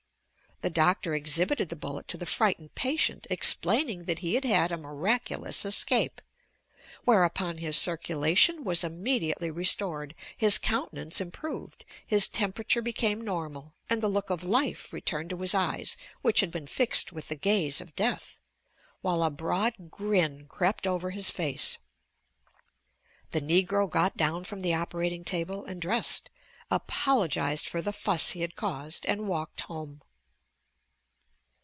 The doctor ex 1 PEAR AND HOW TO BANISH IT bibited the bullet to the frightened patient, explaining that he had had a miraculous escape, whereupon bis circulation was immediately restored, his countenance improved, his temperature became normal and the look of life returned to his eyes which had been fixed with the gaze of death, while a broad grin crept over his face. The negro got down from the operating table and dressed, apologized for the fuss he had caused and walked home!